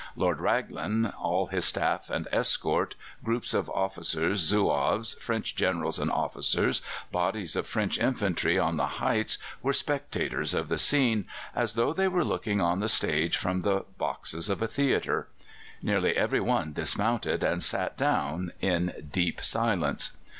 Lord Raglan, all his staff and escort, groups of officers, Zouaves, French Generals and officers, bodies of French infantry on the heights, were spectators of the scene, as though they were looking on the stage from the boxes of a theatre. Nearly every one dismounted and sat down in deep silence.